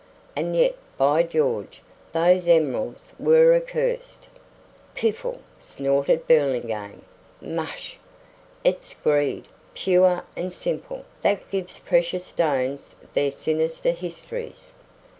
And yet, by George, those emeralds were accursed!" "Piffle!" snorted Burlingame. "Mush! It's greed, pure and simple, that gives precious stones their sinister histories.